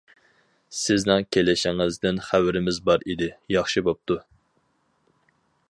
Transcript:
سىزنىڭ كېلىشىڭىزدىن خەۋىرىمىز بار ئىدى، ياخشى بوپتۇ.